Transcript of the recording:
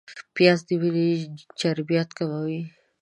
پیاز د وینې چربیات کموي